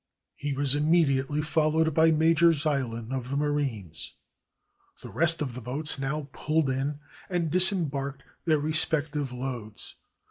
He was immediately followed by Major Zeilin, of the marines. The rest of the boats now pulled in and dis embarked their respective loads.